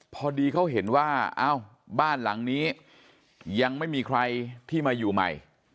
พอดีเขาเห็นว่าเอ้าบ้านหลังนี้ยังไม่มีใครที่มาอยู่ใหม่